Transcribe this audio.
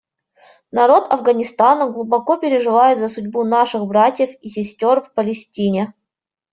Народ Афганистана глубоко переживает за судьбу наших братьев и сестер в Палестине.